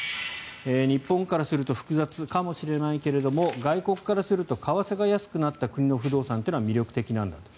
日本からすると複雑かもしれないけれども外国からすると為替が安くなった国の不動産というのは魅力的なんだと。